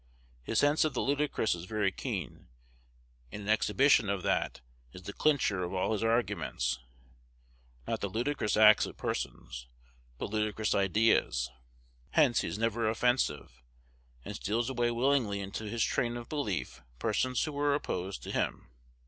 His sense of the ludicrous is very keen; and an exhibition of that is the clincher of all his arguments, not the ludicrous acts of persons, but ludicrous ideas. Hence he is never offensive, and steals away willingly into his train of belief persons who were opposed to him.